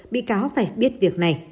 bị cáo phải biết việc này